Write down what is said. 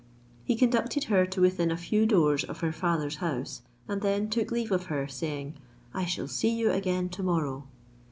He conducted her to within a few doors of her father's house, and then took leave of her, saying, "I shall see you again to morrow."